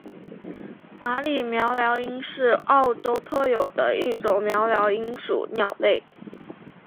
马里鹋鹩莺是澳洲特有的一种鹋鹩莺属鸟类。